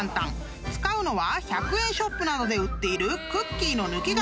［使うのは１００円ショップなどで売っているクッキーの抜き型］